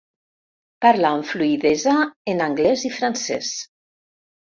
Parla amb fluïdesa en anglès i francès.